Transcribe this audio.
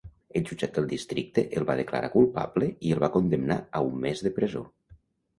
El jutjat del districte el va declarar culpable i el va condemnar a un mes de presó.